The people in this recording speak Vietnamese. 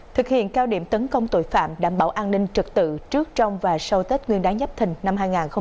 thực hiện cao điểm tấn công tội phạm đảm bảo an ninh trực tự trước trong và sau tết nguyên đáng nhấp thình năm hai nghìn hai mươi bốn